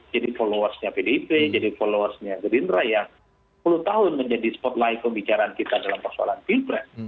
jadi followersnya pdip jadi followersnya gerindra yang sepuluh tahun menjadi spotlight kebicaraan kita dalam persoalan pilpres